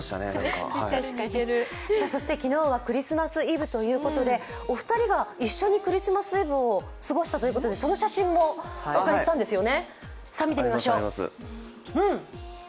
そして昨日はクリスマスイブということでお二人が一緒にクリスマスイブを過ごしたということでその写真もお借りしたんですよね。